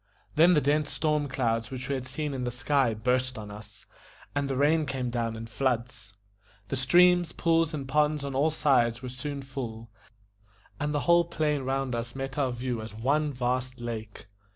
Then the dense storm clouds which we had seen in the sky burst on us, and the rain came down in floods. The streams, pools, and ponds on all sides were soon full, and the whole plain round us met our view as one vast lake.